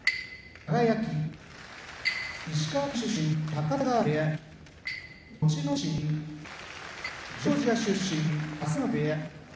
輝石川県出身高田川部屋栃ノ心ジョージア出身春日野部屋